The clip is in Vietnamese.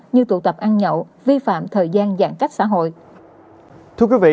như tụ tập ăn nhậu vi phạm thời gian giãn cách xã hội